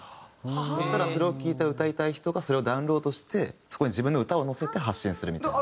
そしたらそれを聴いた歌いたい人がそれをダウンロードしてそこに自分の歌を乗せて発信するみたいな。